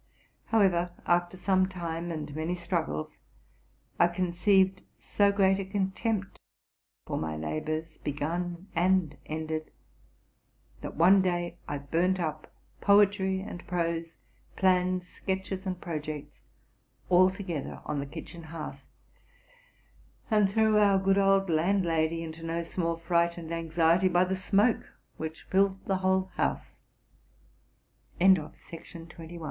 However, after some time and many struggles, I conceived so great a contempt for my labors, heoun and ended, that one "day I burnt up poetry and prose. plans, sketches, and projects, all together on the kitchen hearth, and threw our good old landlady into no small fright and anxiety by the smoke whicli filled t